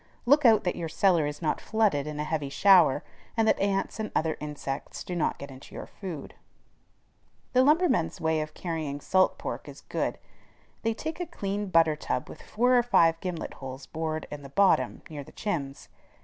Look out that your cellar is not flooded in a heavy shower, and that ants and other insects do not get into your food. The lumbermen's way of carrying salt pork is good. They take a clean butter tub with four or five gimlet holes bored in the bottom near the chimbs.